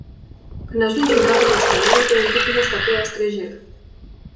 Când ajungi în capătul scărilor, te întâmpină statuia străjer.